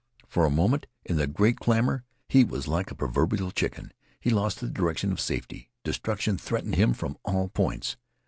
For a moment, in the great clamor, he was like a proverbial chicken. He lost the direction of safety. Destruction threatened him from all points.